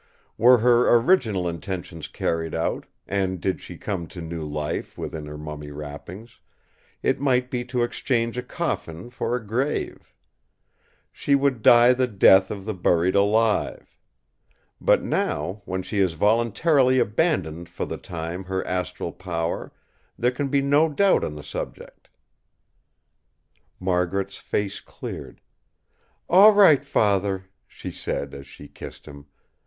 Were her original intention carried out, and did she come to new life within her mummy wrappings, it might be to exchange a coffin for a grave! She would die the death of the buried alive! But now, when she has voluntarily abandoned for the time her astral power, there can be no doubt on the subject." Margaret's face cleared. "All right, Father!" she said as she kissed him.